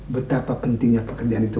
betapa pentingnya pekerjaan itu